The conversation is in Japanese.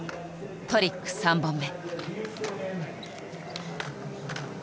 トリック３本目。